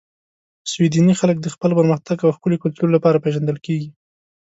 سویدني خلک د خپل پرمختګ او ښکلي کلتور لپاره پېژندل کیږي.